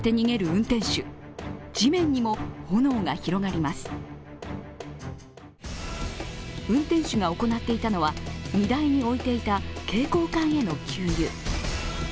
運転手が行っていたのは、荷台に置いていた携行缶への給油。